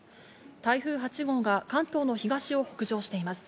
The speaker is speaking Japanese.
台風８号が関東の東を北上しています。